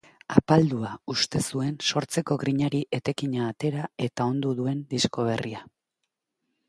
Apaldua uste zuen sortzeko grinari etekina atera eta ondu duen disko berria.